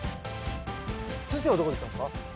先生はどこ行ったんですか？